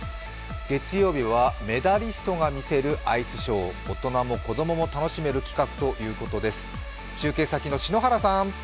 月曜日はメダリストがみせるアイスショー大人も子供も楽しめる企画ということです。